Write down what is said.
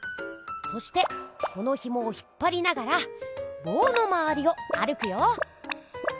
そしてこのひもを引っぱりながらぼうのまわりを歩くよ。